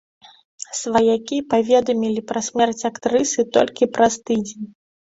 Сваякі паведамілі пра смерць актрысы толькі праз тыдзень.